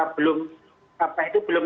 belum apa itu belum